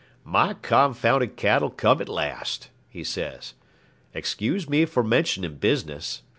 'My confounded cattle come at last,' he says. 'Excuse me for mentioning business.